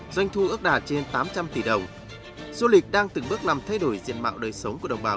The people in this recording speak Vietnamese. doanh thu ước đạt trên tám trăm linh tỷ đồng du lịch đang từng bước làm thay đổi diện mạo đời sống của đồng bào